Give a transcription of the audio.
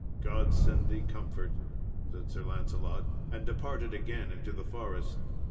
"God send thee comfort," said Sir Lancelot, and departed again into the forest.